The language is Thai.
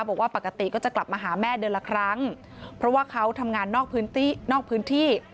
บอกว่าปกติก็จะกลับมาหาแม่เดือนละครั้งเพราะว่าเขาทำงานนอกพื้นที่นอกพื้นที่